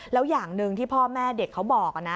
แล้วอย่างหนึ่งที่พ่อแม่เด็กเขาบอกนะ